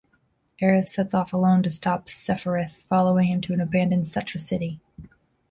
Aerith sets off alone to stop Sephiroth, following him to an abandoned Cetra city.